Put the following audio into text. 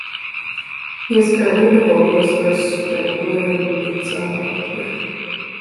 He is currently the vocalist for Strangler Needsa Manicure.